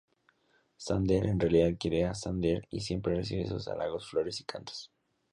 Zander: en realidad quiere a Zander y siempre recibe sus halagos, flores y cantos.